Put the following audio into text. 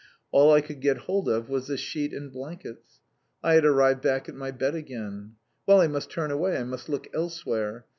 All I could get hold of was the sheet and blankets. I had arrived back at my bed again. Well, I must turn away, I must look elsewhere.